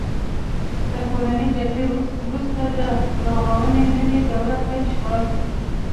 تر کورنۍ جګړې وروسته د رغونې نوې دوره پیل شوه.